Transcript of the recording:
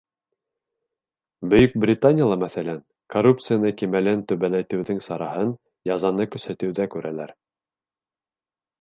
Бөйөк Британияла, мәҫәлән, коррупция кимәлен түбәнәйтеүҙең сараһын язаны көсәйтеүҙә күрәләр.